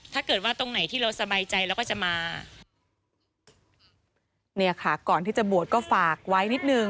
ถ้าเกิดว่าตรงไหนที่เราสบายใจเราก็จะมาเนี่ยค่ะก่อนที่จะบวชก็ฝากไว้นิดนึง